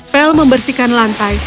pel membersihkan lantai